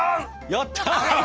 やった！